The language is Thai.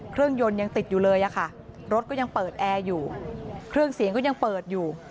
เครื่องยนต์ยังติดอยู่เลยอะค่ะรถก็ยังเปิดแอร์อยู่เครื่องเสียงก็ยังเปิดอยู่